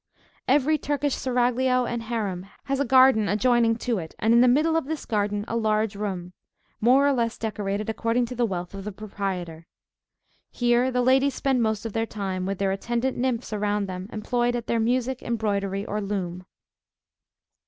Every Turkish seraglio and harem, has a garden adjoining to it, and in the middle of this garden a large room, more or less decorated according to the wealth of the proprietor. Here the ladies spend most of their time, with their attendant nymphs around them employed at their music, embroidery, or loom.